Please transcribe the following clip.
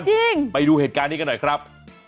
จริงไปดูเหตุการณ์นี้กันหน่อยครับ